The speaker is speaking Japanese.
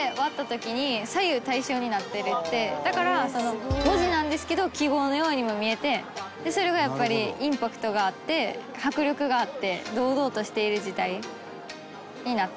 だから文字なんですけど記号のようにも見えてそれがやっぱりインパクトがあって迫力があって堂々としている字体になっている。